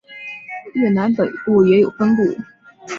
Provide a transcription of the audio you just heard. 越南北部也有分布。